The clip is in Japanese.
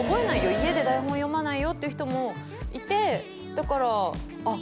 家で台本読まないよっていう人もいてだからあっ